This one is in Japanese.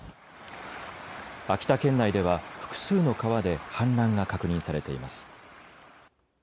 秋田県内では複数の川で氾濫が確認されています。